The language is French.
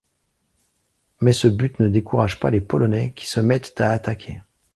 Mais ce but ne décourage pas les Polonais qui se mettent à attaquer.